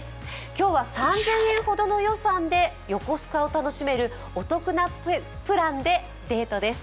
今日は３０００円ほどの予算で横須賀を楽しめるお得なプランでデートです。